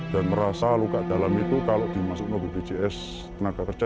dan merasa luka dalam itu kalau dimasuk ke bgjs tenaga kerja